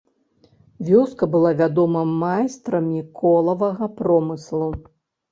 Вёска была вядома майстрамі колавага промыслу.